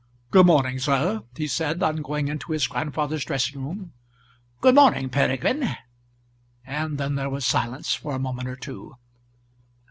"Good morning, sir," he said, on going into his grandfather's dressing room. "Good morning, Peregrine." And then there was silence for a moment or two.